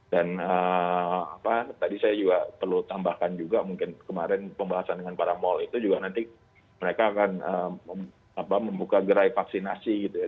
dan tadi saya juga perlu tambahkan juga mungkin kemarin pembahasan dengan para mal itu juga nanti mereka akan membuka gerai vaksinasi gitu ya